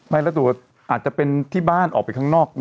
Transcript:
ไม่แล้วตัวอาจจะเป็นที่บ้านออกไปข้างนอก